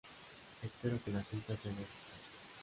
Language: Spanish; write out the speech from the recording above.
Espero que las cintas ya no existan".